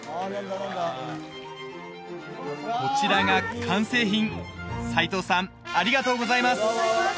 こちらが完成品齋藤さんありがとうございます！